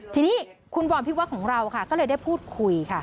ทีนี้คุณวรพิวัฒน์ของเราค่ะก็เลยได้พูดคุยค่ะ